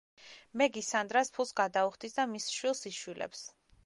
მეგი სანდრას ფულს გადაუხდის და მის შვილს იშვილებს.